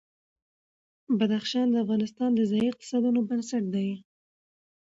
بدخشان د افغانستان د ځایي اقتصادونو بنسټ دی.